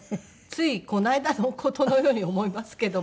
ついこの間の事のように思いますけども。